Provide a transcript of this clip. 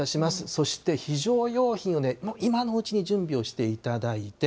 そして非常用品を今のうちに準備をしていただいて。